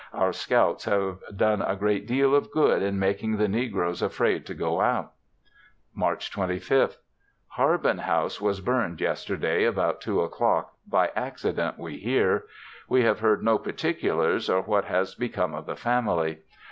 Our scouts have done a great deal of good in making the negroes afraid to go out. March 25th. Harbin house was burned yesterday about 2:00 o'clock by accident we hear. We have heard no particulars, or what has become of the family.